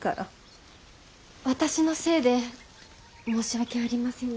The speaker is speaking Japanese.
私のせいで申し訳ありませぬ。